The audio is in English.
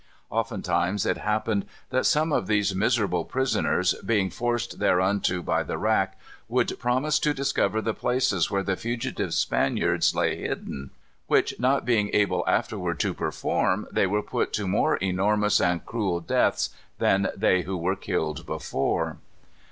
Oftentimes it happened that some of these miserable prisoners, being forced thereunto by the rack, would promise to discover the places where the fugitive Spaniards lay hidden; which, being not able afterward to perform, they were put to more enormous and cruel deaths than they who were killed before."